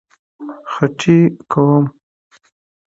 خټي کوم-